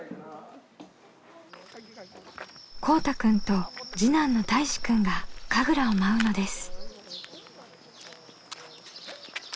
こうたくんと次男のたいしくんが神楽を舞うのです。